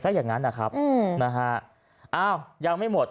อย่างนั้นนะครับอืมนะฮะอ้าวยังไม่หมด